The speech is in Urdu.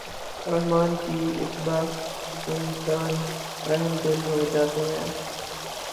رحمٰن کی اتباع سے انسان رحمدل ہو جاتا ہے۔